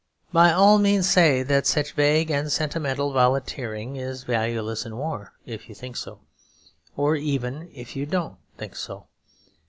By all means say that such vague and sentimental volunteering is valueless in war if you think so; or even if you don't think so.